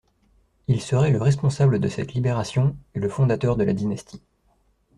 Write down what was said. Il serait le responsable de cette libération et le fondateur de la dynastie.